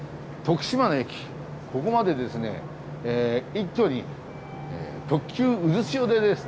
一挙に特急うずしおでですね